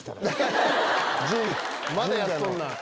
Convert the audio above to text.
「まだやっとんなぁ」。